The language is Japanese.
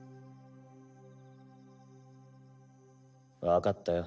わかったよ